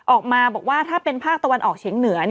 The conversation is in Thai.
ออกมาบอกว่าถ้าเป็นภาคตะวันออกเฉียงเหนือ